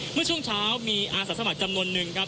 เมื่อช่วงเช้ามีอาสาสมัครจำนวนนึงครับ